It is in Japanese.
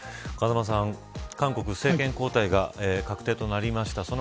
風間さん、韓国政権交代が確定となりました。